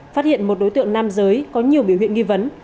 phát hiện một đối tượng nam giới có nhiều biểu hiện nghi vấn